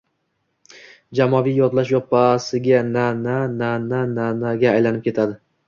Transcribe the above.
Jamoaviy yodlash yoppasiga “na-na, na-na, na-na...”ga aylanib ketadi.